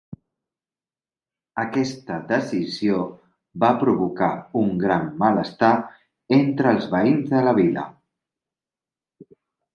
Aquesta decisió va provocar un gran malestar entre els veïns de la vila.